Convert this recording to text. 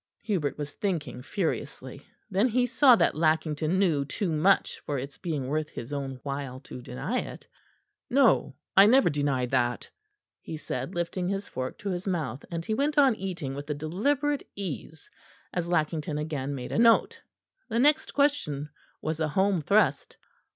Hubert was thinking furiously. Then he saw that Lackington knew too much for its being worth his own while to deny it. "No, I never denied that," he said, lifting his fork to his mouth; and he went on eating with a deliberate ease as Lackington again made a note. The next question was a home thrust.